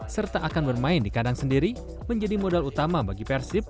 serta akan bermain di kadang sendiri menjadi modal utama bagi persib